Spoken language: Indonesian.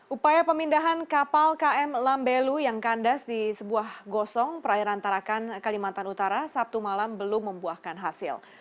upaya pemindahan kapal km lambelu yang kandas di sebuah gosong perairan tarakan kalimantan utara sabtu malam belum membuahkan hasil